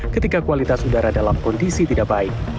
ketika kualitas udara dalam kondisi tidak baik